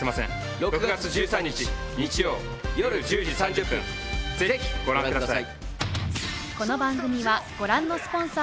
６月１３日日曜夜１０時３０分ぜひご覧ください。